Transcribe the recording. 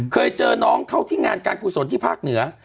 เคยเจอน้องเข้าที่งานการกุศลที่ภาคเหนือ